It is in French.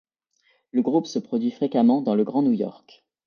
Le groupe se produit fréquemment dans le Grand New York.